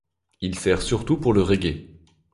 Il sert surtout pour le reggae.